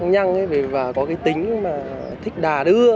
em chả có ý gì cả